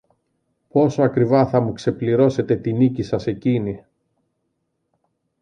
Πόσο ακριβά θα μου ξεπληρώσετε τη νίκη σας εκείνη!